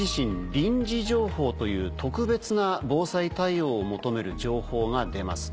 という特別な防災対応を求める情報が出ます。